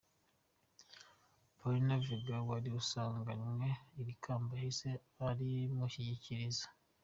Pauline Vega wari usanganywe iri kamba yahise arimushyikiriza.